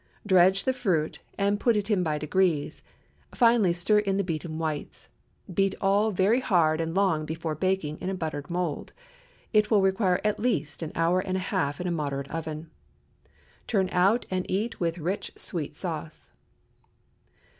Dredge the fruit and put in by degrees; finally, stir in the beaten whites. Beat all very hard and long before baking in a buttered mould. It will require at least an hour and a half in a moderate oven. Turn out, and eat with rich sweet sauce.